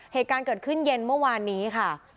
เหตุการณ์เกิดขึ้นเย็นเมื่อวานนี้ค่ะ